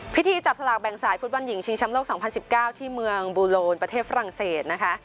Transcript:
พิธีจับสลากแบ่งสายฝุ่นบอลหญิงชิงช้ำโลก๒๐๑๙ที่เมื่อบูฬนวิรุณาประเทศฝรั่งเศส